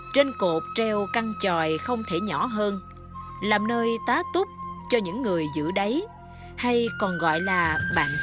trên cột treo căn tròi không thể nhỏ hơn làm nơi tá túp cho những người giữ đáy hay còn gọi là bạn trẻ